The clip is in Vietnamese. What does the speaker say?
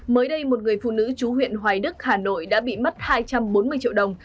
mới đây một người phụ nữ chú huyện hoài đức hà nội đã bị mất hai trăm bốn mươi triệu đồng